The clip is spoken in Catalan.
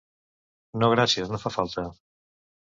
No gràcies no fa falta.